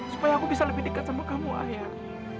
supaya aku bisa lebih dekat sama kamu akhir